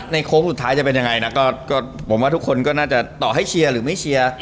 โค้งสุดท้ายจะเป็นยังไงนะก็ผมว่าทุกคนก็น่าจะต่อให้เชียร์หรือไม่เชียร์